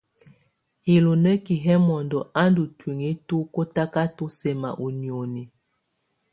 Ilunǝki yɛ mɔndɔ a ndù ntuinyii tu kɔtakatɔ sɛma u nioni.